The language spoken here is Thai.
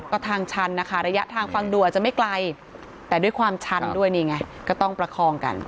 ก็ทางชันนะคะระยะทางฟังดูอาจจะไม่ไกลแต่ด้วยความชันด้วยนี่ไงก็ต้องประคองกัน